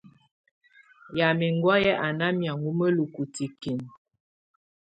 Ymɛ̀á ɛŋgɔ̀áyɛ á ná lɛ̀áŋɔ mǝ́lukǝ́ tikinǝ.